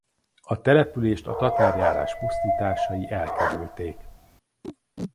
A települést a tatárjárás pusztításai elkerülték.